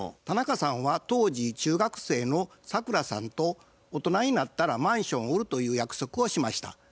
田中さんは当時中学生のサクラさんと大人になったらマンションを売るという約束をしました。